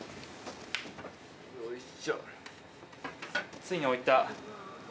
ついに置いた。